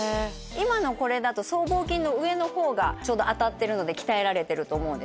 今のこれだと僧帽筋の上の方がちょうど当たってるので鍛えられてると思うんですね。